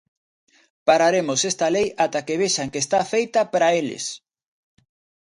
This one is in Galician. Pararemos esta lei ata que vexan que está feita para eles.